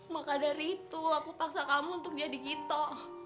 maka dari itu aku paksa kamu untuk jadi gito